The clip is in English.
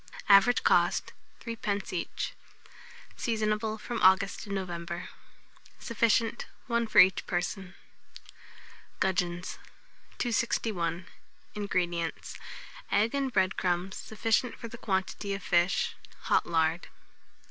Average cost, 3d. each. Seasonable from August to November. Sufficient, 1 for each person. GUDGEONS. 261. INGREDIENTS. Egg and bread crumbs sufficient for the quantity of fish; hot lard.